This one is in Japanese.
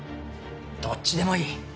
どっちでもいい。